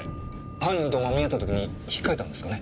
犯人ともみ合った時に引っかいたんですかね？